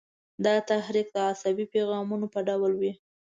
دا تحریک د عصبي پیغامونو په ډول وي.